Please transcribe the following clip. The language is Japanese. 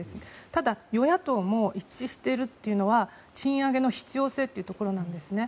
ただ、与野党も一致しているというのは賃上げの必要性というところなんですね。